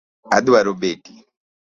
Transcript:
Adwaro beti